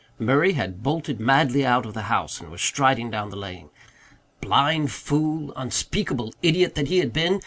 Murray had bolted madly out of the house and was striding down the lane. Blind fool unspeakable idiot that he had been!